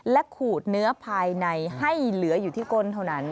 ขูดเนื้อภายในให้เหลืออยู่ที่ก้นเท่านั้น